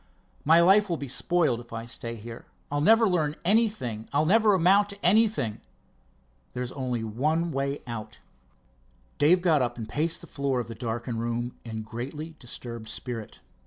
"My life will be spoiled if I stay here. I'll never learn anything, I'll never amount to anything. There is only one way out." Dave got up and paced the floor of the darkened room in greatly disturbed spirit.